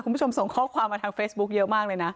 คุณผู้ชมส่งข้อความมาทางเฟซบุ๊คเยอะมากเลยนะ